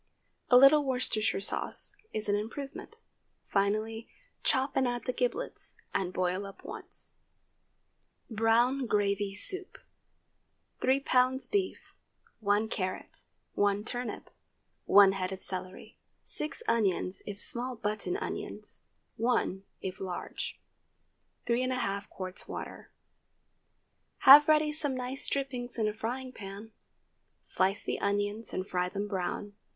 A little Worcestershire sauce is an improvement. Finally, chop and add the giblets, and boil up once. BROWN GRAVY SOUP. 3 lbs. beef. 1 carrot. 1 turnip. 1 head of celery. 6 onions, if small button onions—one, if large. 3½ qts. water. Have ready some nice dripping in a frying pan. Slice the onions and fry them brown.